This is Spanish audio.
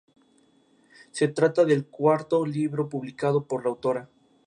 Croix, realizado por el paisajista Jens Mikkelsen Beck.